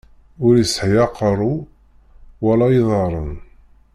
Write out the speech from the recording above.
Ur isɛi aqeṛṛu, wala iḍaṛṛen.